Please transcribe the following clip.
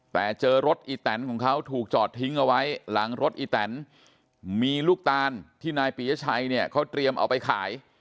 แต่เจอรถอีแตนของเขาถูกจอดทิ้งเอาไว้หลังรถอีแตนมีลูกตานที่นายปียชัยเนี่ยเขาเตรียมเอาไปขาย